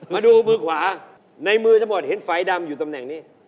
มาดูมือขวาในมือจะบอกเห็นไฟดำอยู่ตำแหน่งนี้